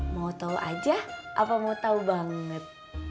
mau tau aja apa mau tau banget